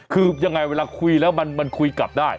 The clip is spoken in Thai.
คือยังไงเวลาคุยแล้วมันคุยกลับได้